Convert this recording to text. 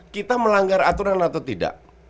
kita melanggar aturan atau tidak